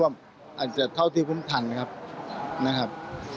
อาจจะเท่าที่คุ้มทันนะครับ